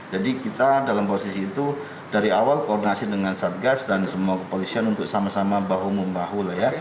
jadi kita dalam posisi itu dari awal koordinasi dengan satgas dan semua polisian untuk sama sama bahu membahu lah ya